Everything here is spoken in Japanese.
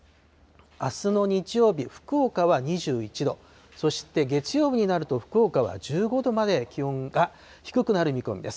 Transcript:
あすの日曜日、福岡は２１度、そして月曜日になると、福岡は１５度まで気温が低くなる見込みです。